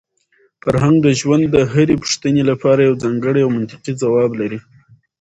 فرهنګ د ژوند د هرې پوښتنې لپاره یو ځانګړی او منطقي ځواب لري.